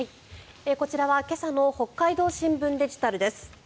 こちらは今朝の北海道新聞デジタルです。